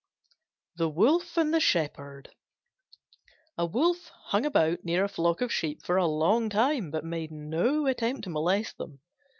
THE WOLF AND THE SHEPHERD A Wolf hung about near a flock of sheep for a long time, but made no attempt to molest them.